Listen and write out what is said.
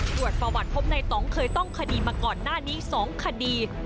รวดภาวะพบใน๒เคยต้องคดีมาก่อนหน้านี้๒คดี